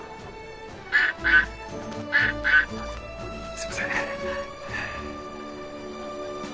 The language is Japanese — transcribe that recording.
すいません。